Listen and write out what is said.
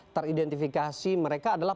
teridentifikasi mereka adalah